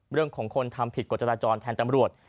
เรื่องของคนทำผิดกฎจราจรแทนตำรวจ